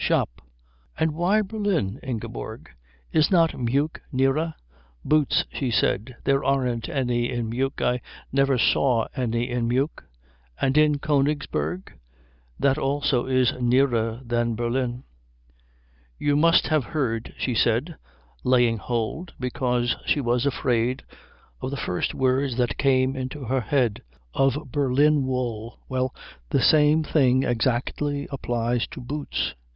Shop." "And why Berlin, Ingeborg? Is not Meuk nearer?" "Boots," she said. "There aren't any in Meuk. I never saw any in Meuk." "And in Königsberg? That also is nearer than Berlin." "You must have heard," she said, laying hold, because she was afraid, of the first words that came into her head, "of Berlin wool. Well, the same thing exactly applies to boots."